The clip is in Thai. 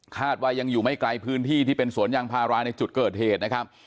ว่ายังอยู่ไม่ไกลพื้นที่ที่เป็นสวนยางพาราในจุดเกิดเหตุนะครับ